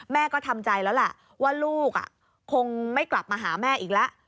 แม่ก็ทำใจแล้วแหละว่าลูกคงไม่กลับมาหาแม่อีกแล้ว